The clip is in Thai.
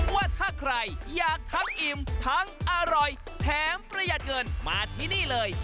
ว่าถ้าใครอยากทั้งอิ่มทั้งอร่อยแถมประหยัดเงินมาที่นี่เลย